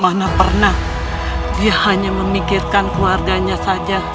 mana pernah dia hanya memikirkan keluarganya saja